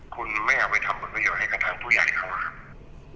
คุณไม่เอาไปทำผลประโยชน์ให้กับทางผู้ใหญ่เขาอะครับ